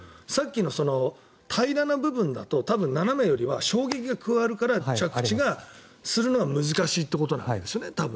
さっきの平らな部分だと多分、斜めよりは衝撃が加わるから着地するのが難しいということなんですよね。